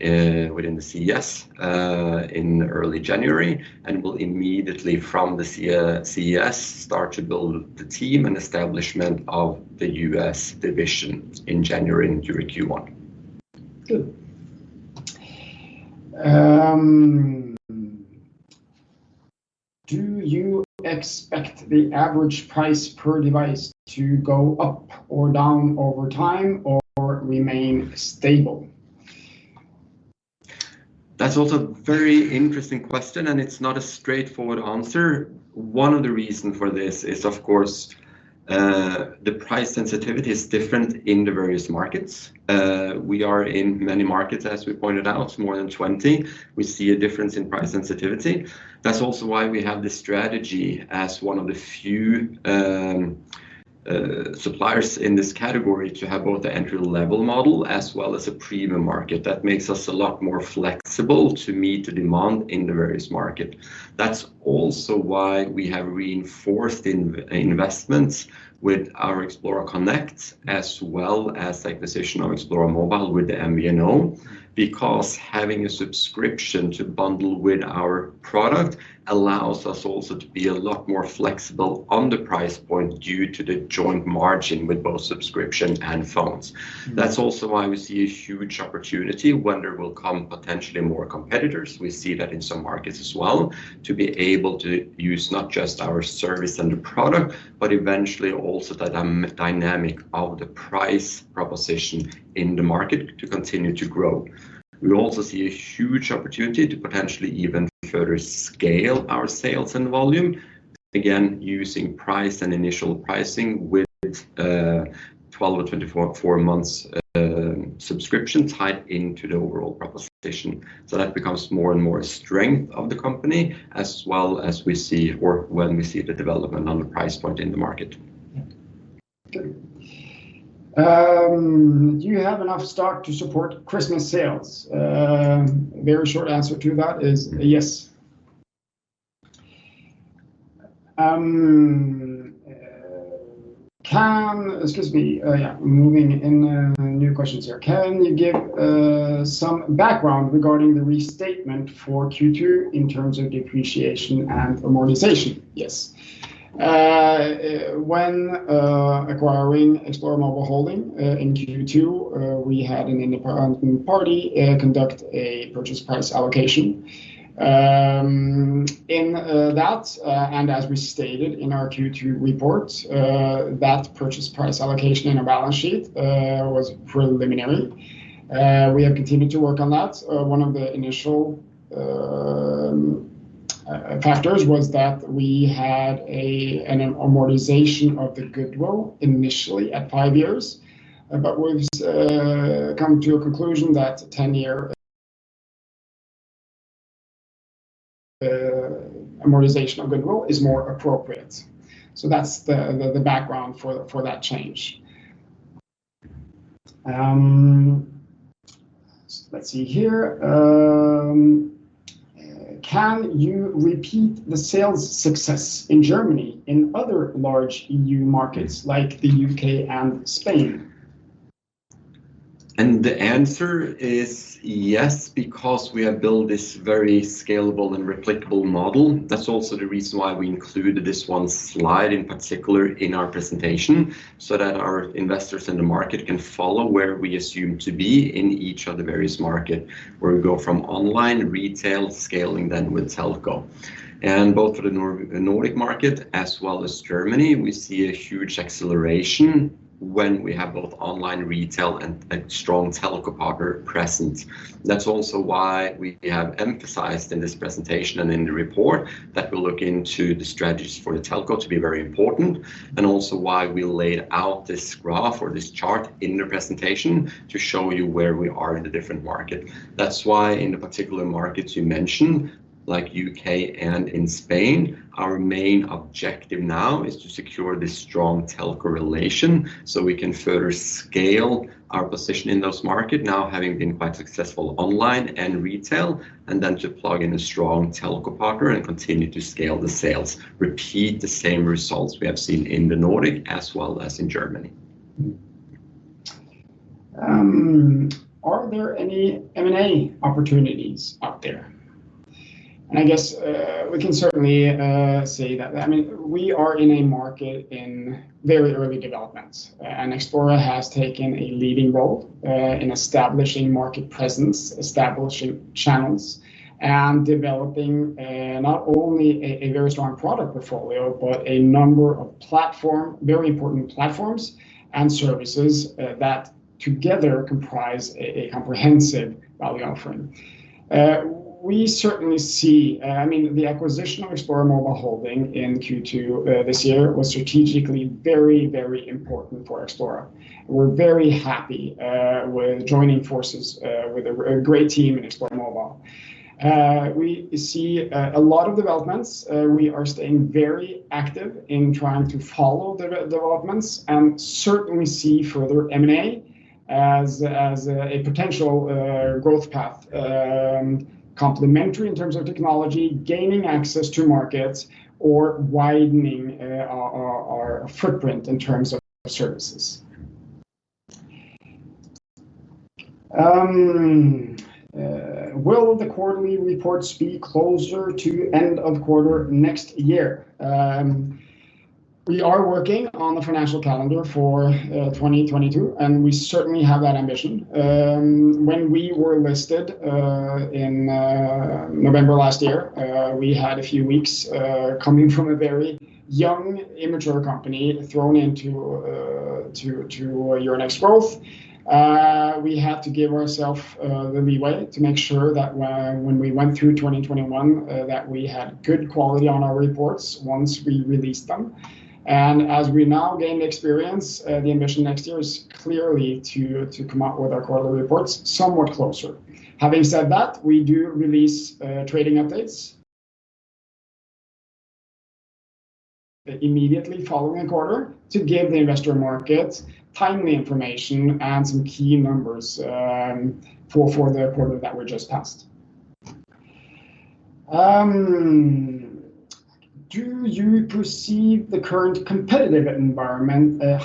within the CES in early January and will immediately from the CES start to build the team and establishment of the US division in January and during Q1. Good. Do you expect the average price per device to go up or down over time or remain stable? That's also very interesting question, and it's not a straightforward answer. One of the reason for this is, of course, the price sensitivity is different in the various markets. We are in many markets, as we pointed out, more than 20. We see a difference in price sensitivity. That's also why we have the strategy as one of the few, suppliers in this category to have both the entry level model as well as a premium market. That makes us a lot more flexible to meet the demand in the various market. That's also why we have reinforced in-investments with our Xplora Connect, as well as acquisition of Xplora Mobile with the MVNO. Because having a subscription to bundle with our product allows us also to be a lot more flexible on the price point due to the joint margin with both subscription and phones. Mm. That's also why we see a huge opportunity when there will come potentially more competitors. We see that in some markets as well, to be able to use not just our service and the product, but eventually also the dynamic of the price proposition in the market to continue to grow. We also see a huge opportunity to potentially even further scale our sales and volume, again, using price and initial pricing with 12 or 24 months subscription tied into the overall proposition. That becomes more and more a strength of the company, as well as we see or when we see the development on the price point in the market. Yeah. Good. Do you have enough stock to support Christmas sales? Very short answer to that is yes. Yeah, moving in new questions here. Can you give some background regarding the restatement for Q2 in terms of depreciation and amortization? Yes. When acquiring Xplora Mobile Holding in Q2, we had an independent party conduct a purchase price allocation. In that, and as we stated in our Q2 report, that purchase price allocation in a balance sheet was preliminary. We have continued to work on that. One of the initial factors was that we had an amortization of the goodwill initially at five years. We've come to a conclusion that 10-year amortization of goodwill is more appropriate. That's the background for that change. Let's see here. Can you repeat the sales success in Germany in other large E.U. markets like the UK and Spain? The answer is yes, because we have built this very scalable and replicable model. That's also the reason why we included this one slide in particular in our presentation, so that our investors in the market can follow where we assume to be in each of the various market, where we go from online retail scaling then with telco. Both for the Nordic market as well as Germany, we see a huge acceleration when we have both online retail and a strong telco partner present. That's also why we have emphasized in this presentation and in the report that we look into the strategies for the telco to be very important, and also why we laid out this graph or this chart in the presentation to show you where we are in the different market. That's why in the particular markets you mentioned, like UK and in Spain, our main objective now is to secure this strong telco relation so we can further scale our position in those market, now having been quite successful online and retail, and then to plug in a strong telco partner and continue to scale the sales, repeat the same results we have seen in the Nordic as well as in Germany. Are there any M&A opportunities out there? I guess we can certainly say that. I mean, we are in a market in very early development, and Xplora has taken a leading role in establishing market presence, establishing channels, and developing not only a very strong product portfolio, but a number of very important platforms and services that together comprise a comprehensive value offering. We certainly see. I mean, the acquisition of Xplora Mobile Holding in Q2 this year was strategically very important for Xplora. We're very happy with joining forces with a great team in Xplora Mobile. We see a lot of developments. We are staying very active in trying to follow the developments and certainly see further M&A as a potential growth path, complementary in terms of technology, gaining access to markets, or widening our footprint in terms of services. Will the quarterly reports be closer to end of quarter next year? We are working on the financial calendar for 2022, and we certainly have that ambition. When we were listed in November last year, we had a few weeks coming from a very young, immature company thrown into Euronext Growth. We had to give ourselves the leeway to make sure that when we went through 2021, that we had good quality on our reports once we released them. As we now gain experience, the ambition next year is clearly to come out with our quarterly reports somewhat closer. Having said that, we do release trading updates immediately following a quarter to give the investor market timely information and some key numbers for the quarter that we just passed. Do you perceive the current competitive environment and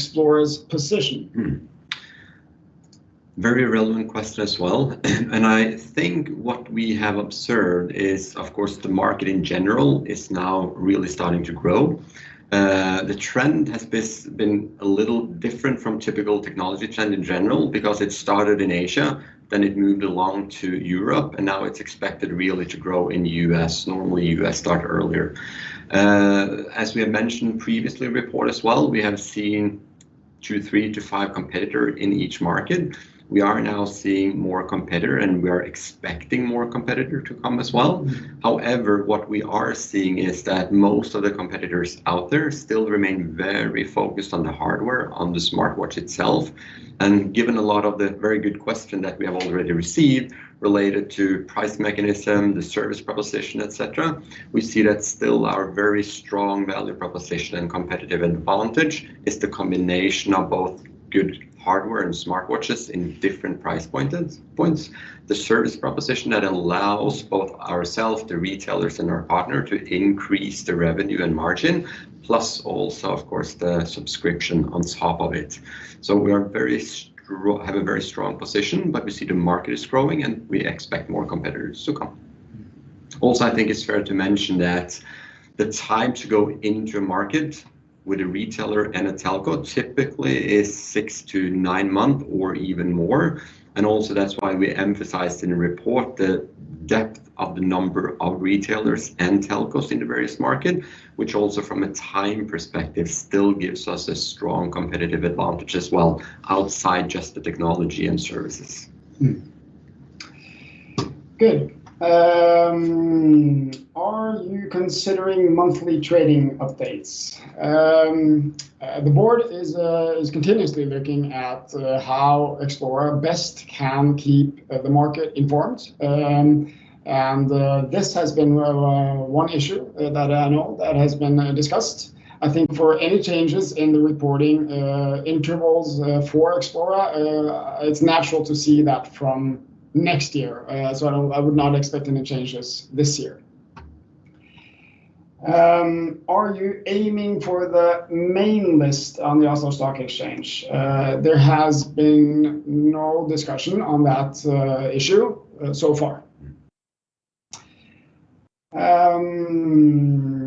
Xplora's position? Very relevant question as well. I think what we have observed is, of course, the market in general is now really starting to grow. The trend has been a little different from typical technology trend in general because it started in Asia, then it moved along to Europe, and now it's expected really to grow in US Normally, US start earlier. As we have mentioned previously report as well, we have seen two, three to five competitor in each market. We are now seeing more competitor, and we are expecting more competitor to come as well. However, what we are seeing is that most of the competitors out there still remain very focused on the hardware, on the smartwatch itself. Given a lot of the very good question that we have already received related to price mechanism, the service proposition, et cetera, we see that still our very strong value proposition and competitive advantage is the combination of both good hardware and smartwatches in different price points. The service proposition that allows both ourselves, the retailers, and our partners to increase the revenue and margin, plus also, of course, the subscription on top of it. We have a very strong position, but we see the market is growing, and we expect more competitors to come. I think it's fair to mention that the time to go into a market with a retailer and a telco typically is 6-9 months or even more. That's why we emphasized in the report the depth of the number of retailers and telcos in the various market, which also from a time perspective still gives us a strong competitive advantage as well outside just the technology and services. Good. Are you considering monthly trading updates? The board is continuously looking at how Xplora best can keep the market informed. This has been one issue that I know has been discussed. I think for any changes in the reporting intervals for Xplora, it's natural to see that from next year. I would not expect any changes this year. Are you aiming for the main list on the Oslo Stock Exchange? There has been no discussion on that issue so far. It's like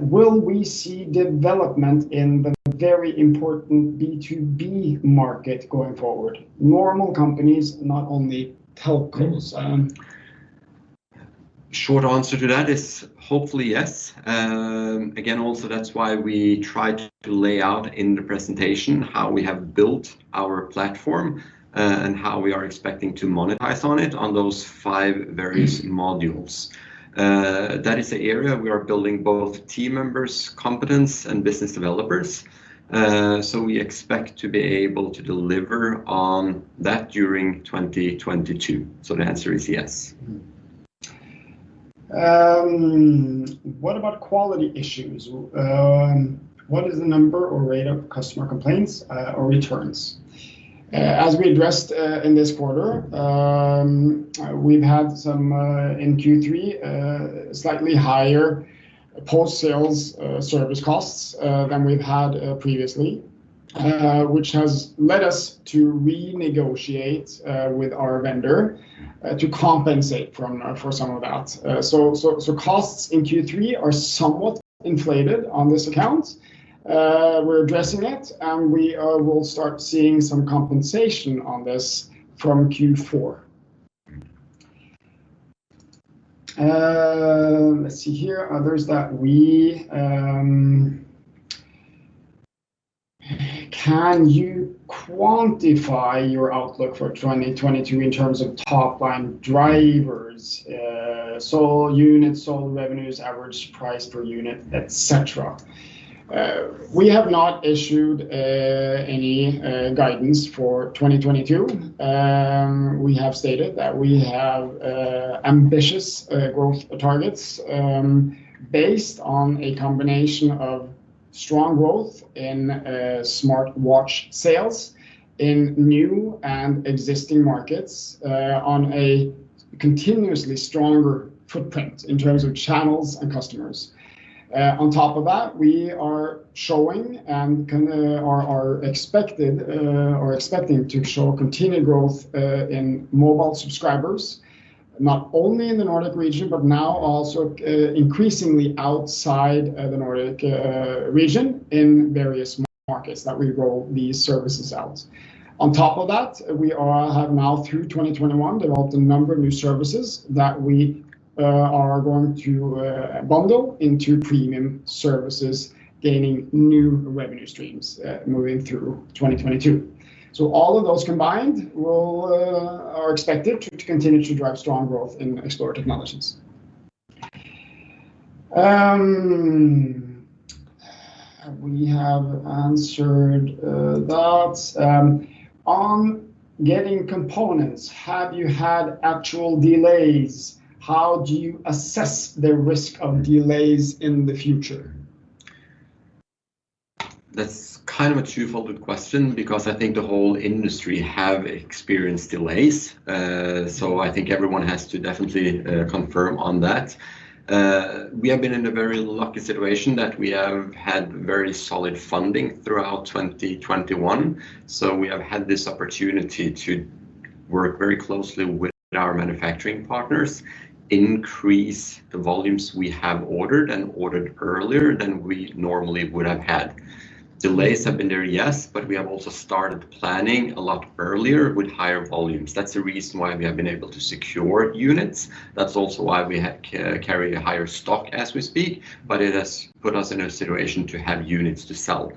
will we see development in the very important B2B market going forward? Normal companies, not only telcos. Short answer to that is hopefully yes. Again, also that's why we tried to lay out in the presentation how we have built our platform, and how we are expecting to monetize on it on those five various modules. That is the area we are building both team members' competence and business developers. We expect to be able to deliver on that during 2022. The answer is yes. What about quality issues? What is the number or rate of customer complaints, or returns? As we addressed in this quarter, we've had some in Q3 slightly higher post-sales service costs than we've had previously, which has led us to renegotiate with our vendor to compensate for some of that. Costs in Q3 are somewhat inflated on this account. We're addressing it, and we will start seeing some compensation on this from Q4. Can you quantify your outlook for 2022 in terms of top-line drivers? Sold units, sold revenues, average price per unit, et cetera. We have not issued any guidance for 2022. We have stated that we have ambitious growth targets based on a combination of strong growth in smartwatch sales in new and existing markets on a continuously stronger footprint in terms of channels and customers. On top of that, we are expected or expecting to show continued growth in mobile subscribers, not only in the Nordic region, but now also increasingly outside the Nordic region in various markets that we roll these services out. On top of that, we have now through 2021 developed a number of new services that we are going to bundle into premium services, gaining new revenue streams moving through 2022. All of those combined are expected to continue to drive strong growth in Xplora Technologies. We have answered that. On getting components, have you had actual delays? How do you assess the risk of delays in the future? That's kind of a two-fold question because I think the whole industry has experienced delays, so I think everyone has to definitely confirm on that. We have been in a very lucky situation that we have had very solid funding throughout 2021, so we have had this opportunity to work very closely with our manufacturing partners, increase the volumes we have ordered, and ordered earlier than we normally would have had. Delays have been there, yes, but we have also started planning a lot earlier with higher volumes. That's the reason why we have been able to secure units. That's also why we carry a higher stock as we speak, but it has put us in a situation to have units to sell.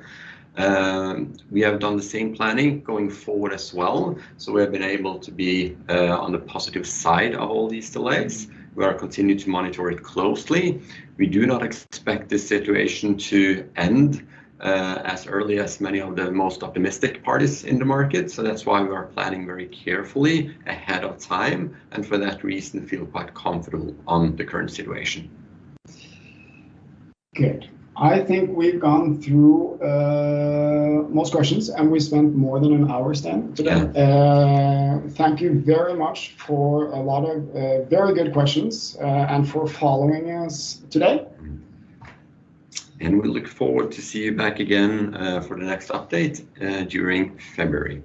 We have done the same planning going forward as well, so we have been able to be on the positive side of all these delays. We are continuing to monitor it closely. We do not expect the situation to end as early as many of the most optimistic parties in the market, so that's why we are planning very carefully ahead of time, and for that reason feel quite comfortable on the current situation. Good. I think we've gone through most questions, and we spent more than an hour, Sten, today. Yeah. Thank you very much for a lot of very good questions and for following us today. We look forward to see you back again, for the next update, during February.